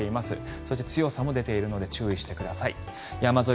そして、強さも出ているので注意してください。